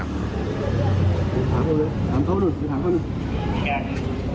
คนเดิมคนเดิม